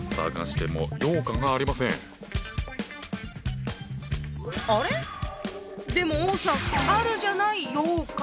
でも王さんあるじゃない羊羹！